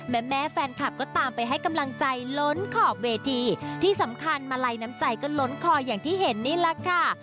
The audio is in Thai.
แม่แม่แฟนคลับก็ตามไปให้กำลังใจล้นขอบเวทีที่สำคัญมาลัยน้ำใจก็ล้นคออย่างที่เห็นนี่แหละค่ะ